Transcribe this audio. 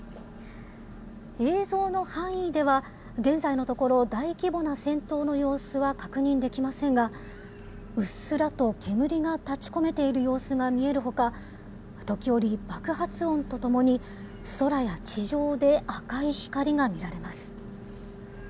映像の範囲では、現在のところ、大規模な戦闘の様子は確認できませんが、うっすらと煙が立ち込めている様子が見えるほか、時折、爆発音とともに、空や地上で赤い光が見られます。